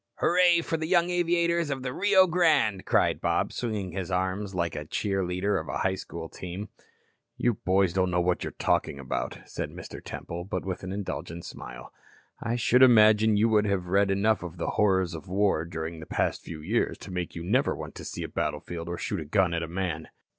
"Hurray for the young aviators of the Rio Grande," cried Bob, swinging his arm like a cheer leader of the school team. "You boys don't know what you're talking about," said Mr. Temple, but with an indulgent smile. "I should imagine you would have read enough of the horrors of war during the past few years to make you never want to see a battlefield or shoot a gun at a man."